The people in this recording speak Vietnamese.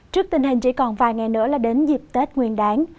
trước tình hình chỉ còn vài ngày nữa là đến dịp tết nguyên đáng